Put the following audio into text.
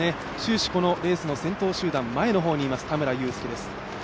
終始このレースの先頭集団、前の方にいます田村友佑です。